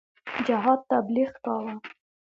جهاد تبلیغ کاوه.